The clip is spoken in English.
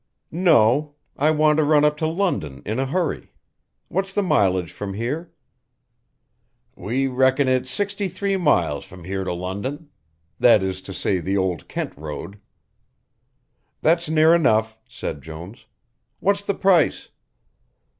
"No. I want to run up to London in a hurry what's the mileage from here?" "We reckon it sixty three miles from here to London that is to say the Old Kent Road." "That's near enough," said Jones. "What's the price?"